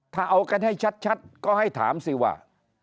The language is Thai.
ถ้าเอากันให้ชัดก็ให้ถามสิว่า